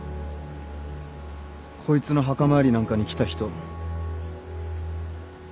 こいつの墓参りなんかに来た人。